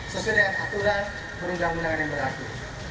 sesuai dengan aturan perundang undangan yang berlaku